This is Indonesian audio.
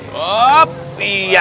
dalam situ ya